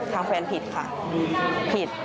ทางแฟนผิดค่ะผิด